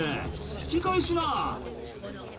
「引き返しな」